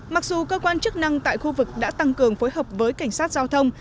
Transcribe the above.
mặc dù cơ quan chức năng tại khu vực đã tăng cường phối hợp với cảnh sát giao thông